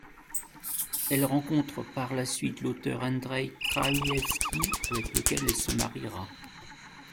Elle rencontre par la suite l'auteur Andrzej Krajewski, avec lequel elle se mariera.